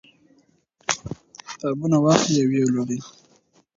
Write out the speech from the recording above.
کتابونه واخلئ او ویې لولئ.